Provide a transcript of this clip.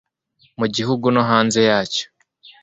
mugihugu no hanze yacyo